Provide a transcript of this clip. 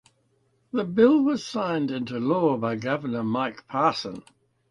The bill was signed into law by governor Mike Parson.